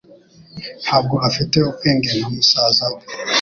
Ntabwo afite ubwenge nka musaza we